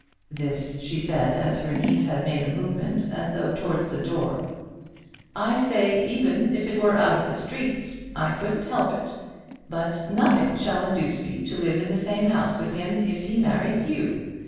This she said, as her niece had made a movement as though towards the door. "I say, even if it were out of the streets, I couldn't help it. But nothing shall induce me to live in the same house with him if he marries you.